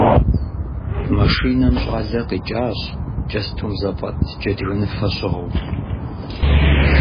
Машинэм щӀалэ къикӀащ кӀэстум зэфӀэт джэдгыныфэ щыгъыу.